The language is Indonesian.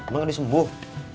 emang gak disembuh